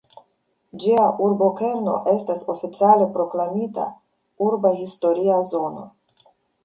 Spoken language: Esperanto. Ĝia urbokerno estas oficiale proklamita "Urba historia zono".